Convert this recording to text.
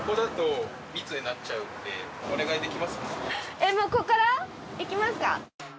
えっもうここから？いきますか。